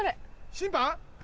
審判？